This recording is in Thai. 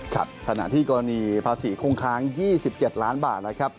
ขณะที่กรณีภาษีคงค้าง๒๗ล้านบาทนะครับ